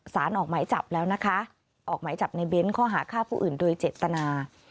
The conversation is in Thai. สารออกหมายจับแล้วนะคะออกหมายจับในเน้นข้อหาฆ่าผู้อื่นโดยเจตนา